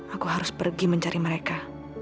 aku harus pergi mencari mereka